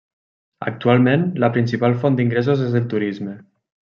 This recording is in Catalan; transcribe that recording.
Actualment, la principal font d'ingressos és el turisme.